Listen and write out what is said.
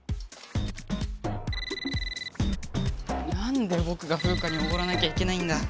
なんでぼくがフウカにおごらなきゃいけないんだ。